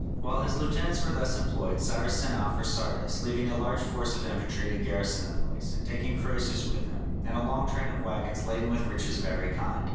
While his lieutenants were thus employed, Cyrus set out from Sardis, leaving a large force of infantry to garrison the place, and taking Croesus with him, and a long train of waggons laden with riches of every kind.